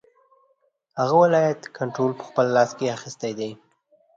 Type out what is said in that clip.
هغه ولایت کنټرول په خپل لاس کې اخیستی دی.